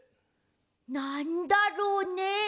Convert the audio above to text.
なんだろうね？